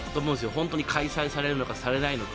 本当に開催されるのかされないのか。